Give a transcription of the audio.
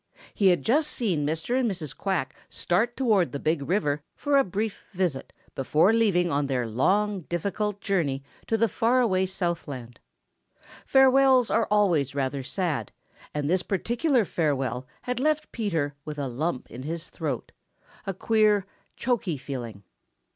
He had just seen Mr. and Mrs. Quack start toward the Big River for a brief visit before leaving on their long, difficult journey to the far away Southland. Farewells are always rather sad, and this particular farewell had left Peter with a lump in his throat, a queer, choky feeling.